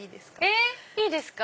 えっいいですか？